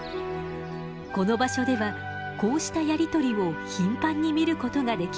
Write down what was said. この場所ではこうしたやり取りを頻繁に見ることができます。